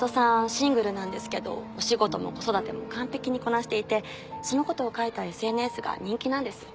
シングルなんですけどお仕事も子育ても完璧にこなしていてそのことを書いたＳＮＳが人気なんです。